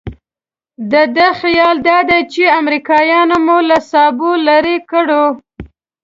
د ده خیال دادی چې امریکایانو مو له سابو لرې کړو.